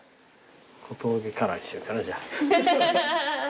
小峠カラーにしようかなじゃあ。